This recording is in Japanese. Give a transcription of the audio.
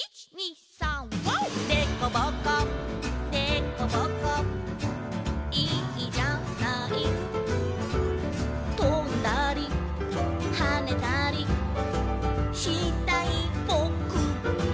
「でこぼこでこぼこいいじゃない」「とんだりはねたりしたいボク」